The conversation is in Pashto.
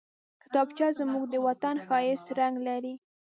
کتابچه زموږ د وطن ښايسته رنګ لري